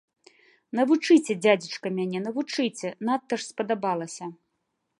Навучыце, дзядзечка, мяне, навучыце, надта ж спадабалася.